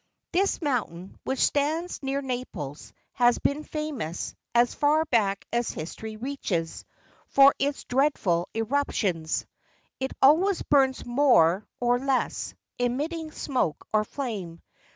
This mountain, which stands near Naples, has been famous, as far back as history reaches, for its dreadful eruptions. It always burns more or less, emitting smoke or flame.